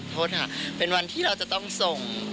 โทษค่ะเป็นวันที่เราจะต้องส่ง